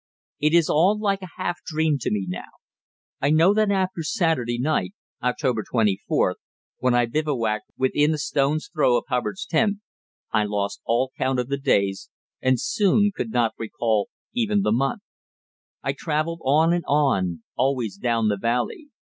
It is all like a half dream to me now. I know that after Saturday night (October 24th), when I bivouacked within a stone's throw of Hubbard's tent, I lost all count of the days, and soon could not recall even the month. I travelled on and on, always down the valley.